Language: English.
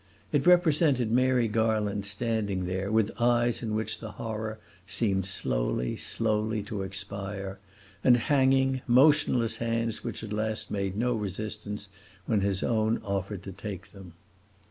It represented Mary Garland standing there with eyes in which the horror seemed slowly, slowly to expire, and hanging, motionless hands which at last made no resistance when his own offered to take them.